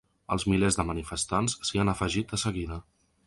Els milers de manifestants s’hi han afegit de seguida.